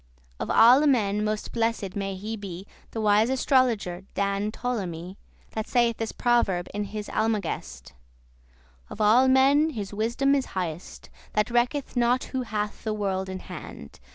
Of alle men most blessed may he be, The wise astrologer Dan* Ptolemy, *Lord That saith this proverb in his Almagest:<13> 'Of alle men his wisdom is highest, That recketh not who hath the world in hand.